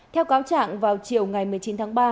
theo cáo trạng vào chiều ngày một mươi chín tháng ba